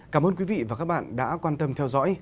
cảm ơn quý vị và các bạn đã quan tâm theo dõi